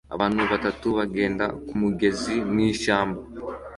Abantu batatu bagenda kumugezi mwishyamba